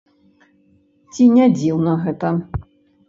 Ці не дзіўна гэта?